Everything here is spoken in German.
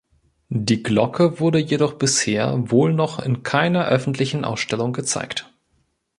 Die Glocke wurde jedoch bisher wohl noch in keiner öffentlichen Ausstellung gezeigt.